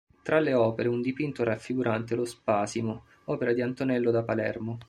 Tra le opere un dipinto raffigurante lo "Spasimo", opera di Antonello da Palermo.